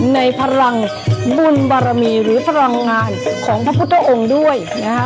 ในพลังบุญบารมีหรือพลังงานของพระพุทธองค์ด้วยนะฮะ